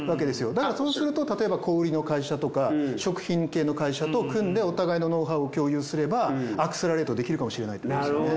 だからそうすると例えば小売の会社とか食品系の会社と組んでお互いのノウハウを共有すればアクセラレートできるかもしれないということですね。